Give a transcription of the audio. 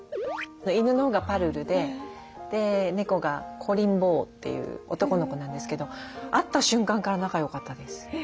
犬のほうがぱるるで猫がこりん坊という男の子なんですけど会った瞬間から仲良かったです。